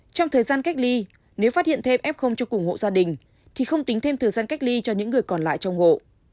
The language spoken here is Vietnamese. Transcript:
trong thời gian cách ly nếu phát hiện thêm f cho cùng hộ gia đình thì không tính thêm thời gian cách ly cho những người còn lại trong hộ